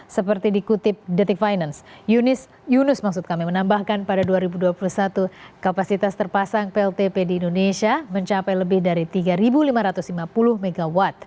seperti dikutip detik finance yunus maksud kami menambahkan pada dua ribu dua puluh satu kapasitas terpasang pltp di indonesia mencapai lebih dari tiga lima ratus lima puluh mw